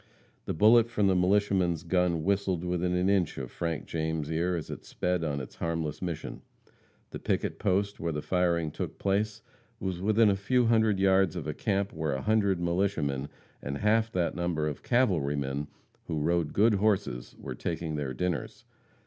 The bullet from the militiaman's gun whistled within an inch of Frank James' ear as it sped on its harmless mission. The picket post where the firing took place was within a few hundred yards of a camp where a hundred militiamen, and half that number of cavalrymen, who rode good horses, were taking their dinners.